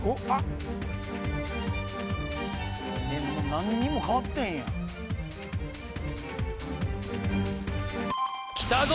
何にも変わってへんやんきたぞ